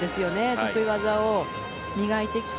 得意技を磨いてきた